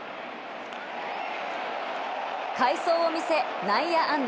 快走を見せ、内野安打。